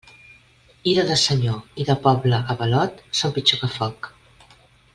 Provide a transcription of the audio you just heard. Ira de senyor i de poble avalot són pitjor que foc.